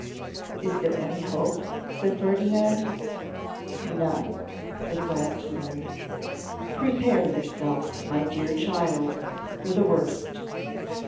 'Is there any hope?' said Ferdinand. 'None!' said Glastonbury. 'Prepare yourself, my dear child, for the worst.